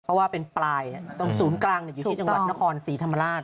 เพราะว่าเป็นปลายตรงศูนย์กลางอยู่ที่จังหวัดนครศรีธรรมราช